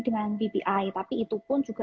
dengan bpi tapi itu pun juga